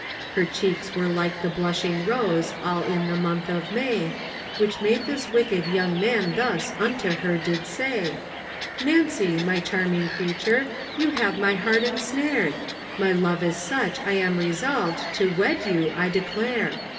Her cheeks were like the blushing rose All in the month of May, Which made this wicked young man Thus unto her did say: Nancy, my charming creature, You have my heart ensnared, My love is such I am resolved To wed you I declare.